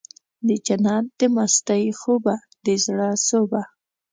دجنت د مستۍ خوبه د زړه سوبه